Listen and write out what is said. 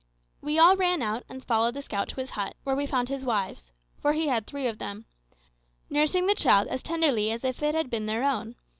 We all ran out and followed the scout to his hut, where we found his wives for he had three of them nursing the child as tenderly as if it had been their own.